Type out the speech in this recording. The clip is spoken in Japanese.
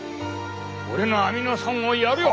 俺のアミノ酸をやるよ」。